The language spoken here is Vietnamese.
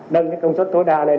nâng công suất tối đa lên